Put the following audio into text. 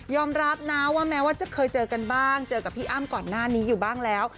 รับนะว่าแม้ว่าจะเคยเจอกันบ้างเจอกับพี่อ้ำก่อนหน้านี้อยู่บ้างแล้ว